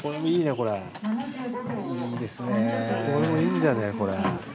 これもいいんじゃねえこれ。